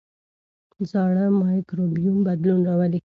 زاړه مایکروبیوم بدلون راولي.